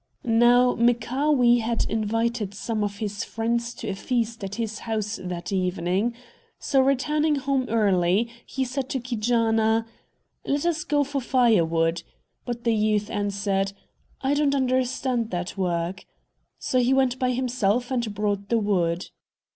Now, Mchaawee had invited some of his friends to a feast at his house that evening; so, returning home early, he said to Keejaanaa, "Let us go for firewood;" but the youth answered, "I don't understand that work." So he went by himself and brought the wood.